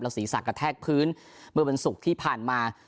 เราสิ่งสักกระแทกพื้นเมื่อเป็นศุกร์ที่ผ่านมา